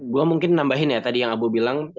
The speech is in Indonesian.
gue mungkin nambahin ya tadi yang abu bilang